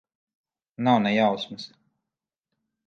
Nav ne jausmas.